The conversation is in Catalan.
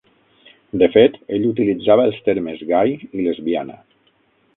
De fet ell utilitzava els termes gai i lesbiana.